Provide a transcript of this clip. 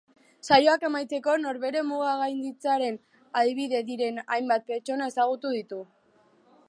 Saioak amaitzeko, norbere mugak gainditzearen adibide diren hainbat pertsona ezagutuko ditu.